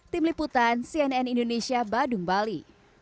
tim liputan cnn indonesia badung bali